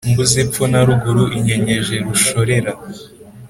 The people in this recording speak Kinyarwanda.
mbuze epfo na ruguru inkenyeje rushorera